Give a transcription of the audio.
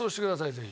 ぜひ。